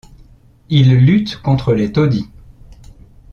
Il lutte contre les taudis.